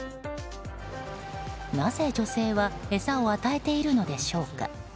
なぜ女性は餌を与えているのでしょうか。